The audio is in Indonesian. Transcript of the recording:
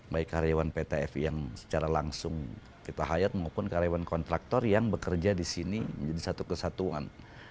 baik karyawan pt fi yang secara langsung kita hire maupun karyawan kontraktor yang bekerja di sini menjadi satu kesatuan